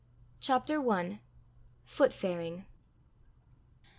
CHAPTER I. FOOT FARING.